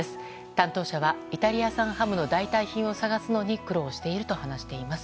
担当者は、イタリア産ハムの代替品を探すのに苦労していると話しています。